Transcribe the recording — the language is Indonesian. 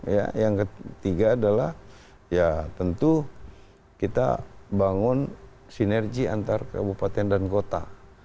ya yang ketiga adalah ya tentu kita bangun sinergi antar kabupaten dan kota